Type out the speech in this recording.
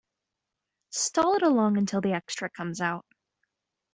Stall it along until the extra comes out.